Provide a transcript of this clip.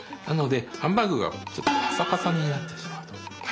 なのでハンバーグがちょっとパサパサになってしまうと。